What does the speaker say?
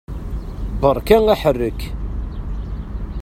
Beṛka aḥerrek!